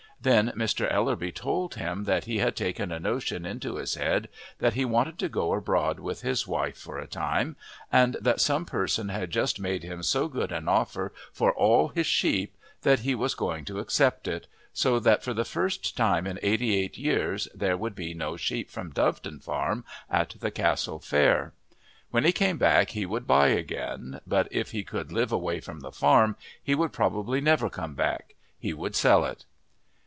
Then Mr. Ellerby told him that he had taken a notion into his head that he wanted to go abroad with his wife for a time, and that some person had just made him so good an offer for all his sheep that he was going to accept it, so that for the first time in eighty eight years there would be no sheep from Doveton Farm at the Castle fair. When he came back he would buy again; but if he could live away from the farm, he would probably never come back he would sell it.